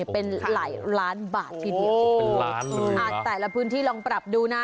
เป็นหลายล้านบาททีเดียวเป็นล้านแต่ละพื้นที่ลองปรับดูนะ